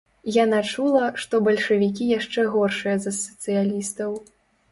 Яна чула, што бальшавікі яшчэ горшыя за сацыялістаў.